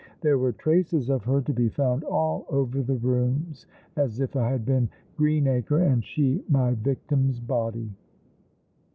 There were traces of her to be found all over the rooms, as if I had been Greenacro and she my victim's body."